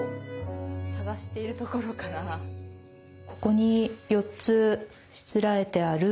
ここに４つしつらえてある藍